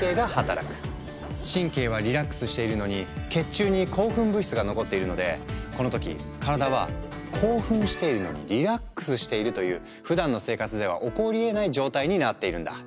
神経はリラックスしているのに血中に興奮物質が残っているのでこの時体は「興奮しているのにリラックスしている」というふだんの生活では起こりえない状態になっているんだ。